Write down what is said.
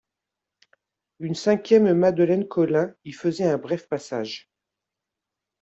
Une cinquième Madeleine Colin y faisait un bref passage.